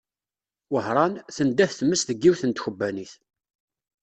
Wehran, tendeh tmes deg yiwet n tkebbanit.